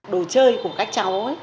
đồ chơi của các cháu